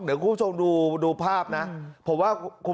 เดี๋ยวคุณผู้ชมดูภาพนะผมว่า